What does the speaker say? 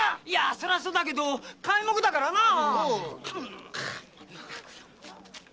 そりゃそうだけど皆目だからなあ。